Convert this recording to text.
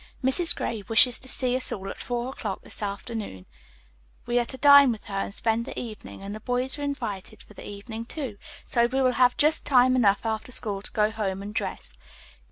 "Mrs. Gray wishes to see us all at four o'clock this afternoon. We are to dine with her and spend the evening, and the boys are invited for the evening, too. So we will have just time enough after school to go home and dress."